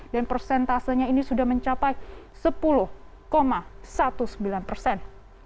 dan persentasenya ini sudah mencapai sepuluh sembilan belas persen